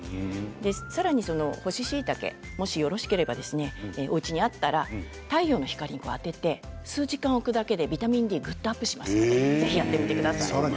さらに干ししいたけもしよろしければおうちにあったら太陽の光に当てて数時間、置くだけでビタミンＤがぐっとアップします。